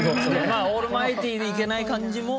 まあオールマイティーにいけない感じも。